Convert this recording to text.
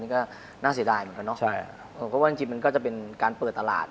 นี่ก็น่าเสียดายเหมือนกันเนอะผมก็ว่าจริงมันก็จะเป็นการเปิดตลาด